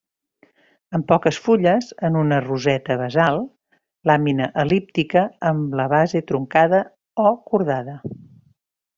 Amb poques fulles, en una roseta basal, làmina el·líptica amb la base truncada o cordada.